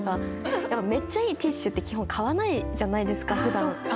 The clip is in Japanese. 「めっちゃいいティッシュ」って基本買わないじゃないですかふだんやっぱり。